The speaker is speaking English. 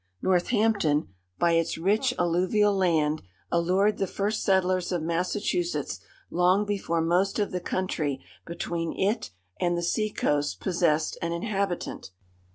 Northampton, by its rich alluvial land allured the first settlers of Massachusetts long before most of the country between it and the sea coast possessed an inhabitant.